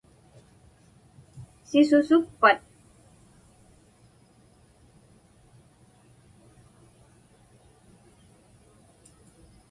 Sisusukpat?